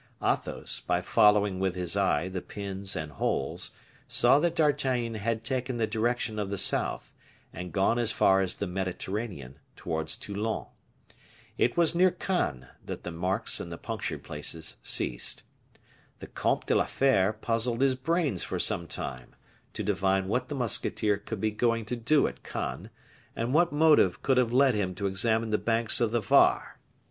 Athos, by following with his eye the pins and holes, saw that D'Artagnan had taken the direction of the south, and gone as far as the Mediterranean, towards Toulon. It was near Cannes that the marks and the punctured places ceased. The Comte de la Fere puzzled his brains for some time, to divine what the musketeer could be going to do at Cannes, and what motive could have led him to examine the banks of the Var.